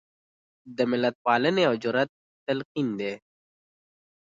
د ملتپالنې او جرات تلقین دی.